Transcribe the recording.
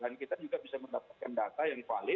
dan kita juga bisa mendapatkan data yang valid